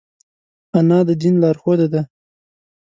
انا د دین لارښوده ده